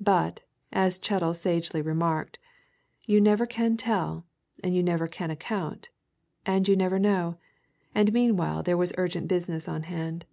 But, as Chettle sagely remarked, you never can tell, and you never can account, and you never know, and meanwhile there was the urgent business on hand.